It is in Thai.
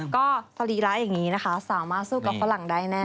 ก็สรีระอย่างนี้นะคะสามารถสู้กับฝรั่งได้แน่